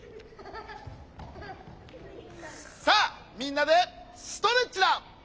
さあみんなでストレッチだ！